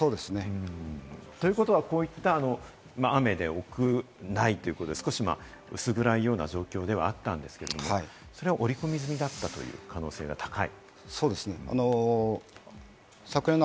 そうですね。ということは、こういった雨でということで、薄暗いような状況ではあったんですけど、織り込み済みだったという可能性が高い。